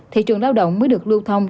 thị trường lao động mới được lưu thông